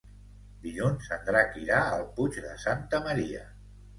Dilluns en Drac irà al Puig de Santa Maria.